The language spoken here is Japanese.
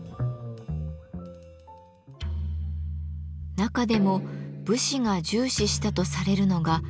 中でも武士が重視したとされるのが「威し」です。